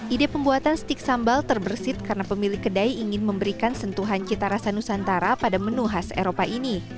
ide pembuatan stik sambal terbersih karena pemilik kedai ingin memberikan sentuhan cita rasa nusantara pada menu khas eropa ini